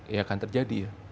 ya akan terjadi ya